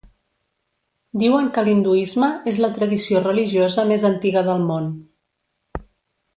Diuen que l'hinduisme és la tradició religiosa més antiga del món.